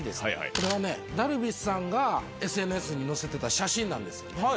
これはダルビッシュさんがＳＮＳに載せてた写真なんですよね。